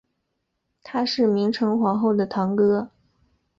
他是明成皇后的堂哥。